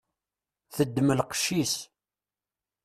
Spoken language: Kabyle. Teddem lqec-is.